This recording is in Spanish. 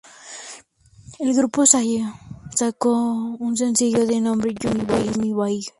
El grupo solo sacó un sencillo, de nombre "You'll be my boy".